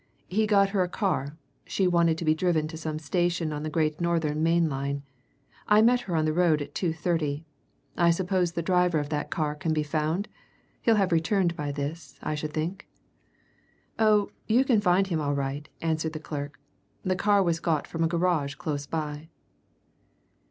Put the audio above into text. "He got her a car, she wanted to be driven to some station on the Great Northern main line I met her on the road at two thirty. I suppose the driver of that car can be found? he'll have returned by this, I should think." "Oh, you can find him all right," answered the clerk. "The car was got from a garage close by."